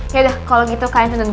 yaudah kalau gitu kalian tonton gue